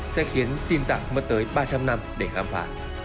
sẽ khiến tin tặc mất tới ba trăm linh năm để khám phá